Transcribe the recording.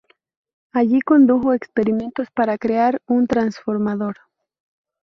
Allí, condujo experimentos para crear un transformador.